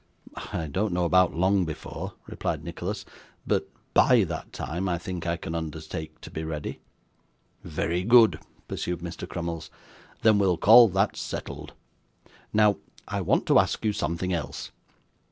'I don't know about "long before,"' replied Nicholas; 'but BY that time I think I can undertake to be ready.' 'Very good,' pursued Mr. Crummles, 'then we'll call that settled. Now, I want to ask you something else.